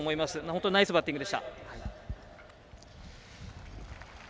本当にナイスバッティングでした。